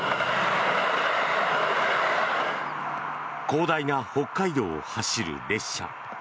広大な北海道を走る列車。